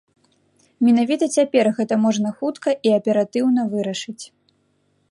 Менавіта цяпер гэта можна хутка і аператыўна вырашыць.